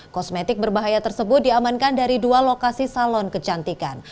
kosmetik berbahaya tersebut diamankan dari dua lokasi salon kecantikan